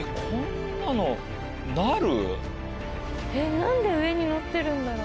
なんで上に載ってるんだろう。